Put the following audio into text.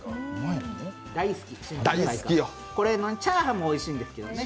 これ、チャーハンもおいしいんですけどね。